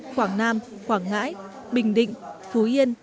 quảng nam quảng nguyên